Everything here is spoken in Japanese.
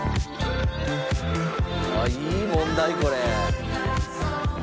ああいい問題これ。